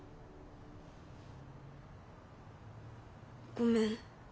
ごめん。